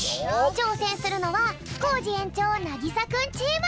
ちょうせんするのはコージ園長なぎさくんチーム！